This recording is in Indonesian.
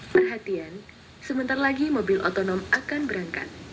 perhatian sebentar lagi mobil otonom akan berangkat